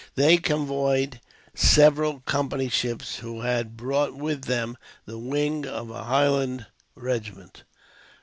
They convoyed several Company's ships, who had brought with them the wing of a Highland regiment.